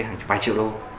hàng vài triệu đô